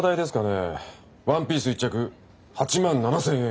ワンピース１着８万７，０００円。